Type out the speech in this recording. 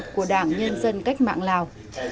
của đảng nhân dân cách mạng lào